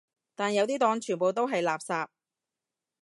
但有啲黨全部都係垃圾